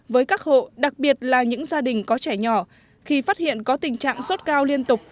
với các hộ đặc biệt là những gia đình có trẻ nhỏ khi phát hiện có tình trạng sốt cao liên tục